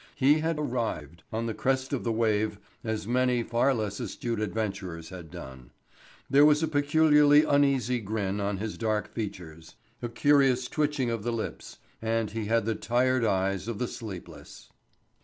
He had "arrived" on the crest of the wave as many far less astute adventurers had done. There was a peculiarly uneasy grin on his dark features, a curious twitching of the lips, and he had the tired eyes of the sleepless.